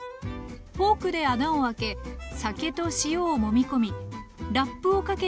フォークで穴をあけ酒と塩をもみ込みラップをかけてレンジに。